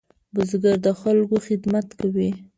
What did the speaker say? بزګر د خلکو خدمت کوي